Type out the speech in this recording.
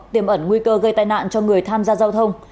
tiềm ẩn nguy cơ gây tai nạn cho người tham gia giao thông